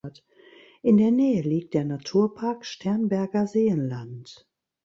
In der Nähe liegt der Naturpark Sternberger Seenland.